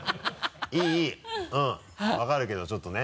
うん分かるけどちょっとね。